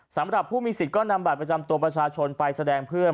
สำหรับผู้มีสิทธิ์ก็นำบัตรประจำตัวประชาชนไปแสดงเพื่อ